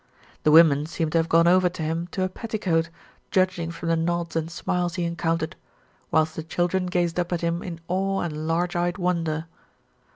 The women seemed to have gone over to him to a petticoat, judging from the nods and smiles he en countered, whilst the children gazed up at him in awe and large eyed wonder.